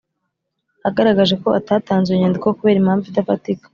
agaragaje ko atatanze iyo nyandiko kubera impamvu idafatika